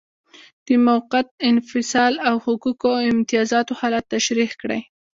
د موقت انفصال او حقوقو او امتیازاتو حالت تشریح کړئ.